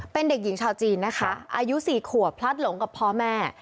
เป็นเด็กหญิงชาวจีนนะคะอายุ๔ขวบพลัดหลงกับพ่อแม่